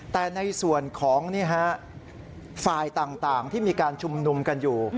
แต่ในส่วนของฝ่ายต่างที่มีการชุมนุมกันอยู่